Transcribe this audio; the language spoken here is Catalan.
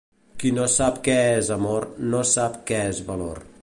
Qui no sap què és amor, no sap què és valor.